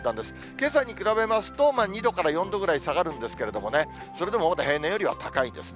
けさに比べますと、２度から４度ぐらい下がるんですけれどもね、それでもまだ平年よりは高いですね。